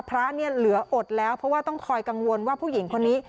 พระเนี่ยเหลืออดแล้วเพราะว่าต้องคอยกังวลว่าผู้หญิงคนนี้